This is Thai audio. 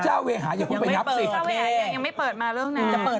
เจ้าเวหายังไม่เปิดมาเรื่องนั้น